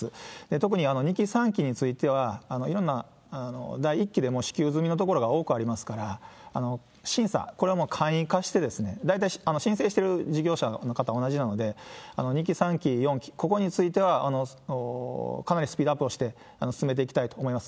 特に２期、３期については、いろんな第１期でも支給済みの所が多くありますから、審査、これはもう簡易化して、大体申請してる事業者の方、同じなので、２期、３期、４期、ここについてはかなりスピードアップをして進めていきたいと思います。